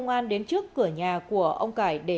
dẫn đến chết người